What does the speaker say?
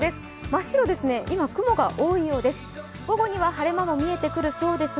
真っ白ですね、今、雲が多いようです。